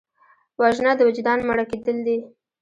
وژنه د وجدان مړه کېدل دي